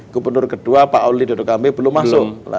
gubernur kedua pak auli dodo kambi belum masuk